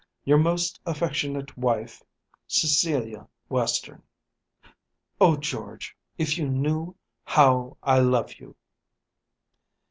Your most affectionate wife, CECILIA WESTERN. Oh, George, if you knew how I love you!